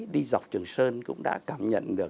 đi dọc trường sơn cũng đã cảm nhận được